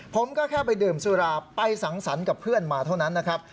ผมก็แค่ไปดื่มสุราไปสังสรรค์กับเพื่อนมาเท่านั้นนะครับ